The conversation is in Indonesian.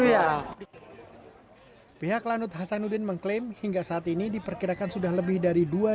tiga ribu tiga puluh tiga puluh ya pihak lanut hasanuddin mengklaim hingga saat ini diperkirakan sudah lebih dari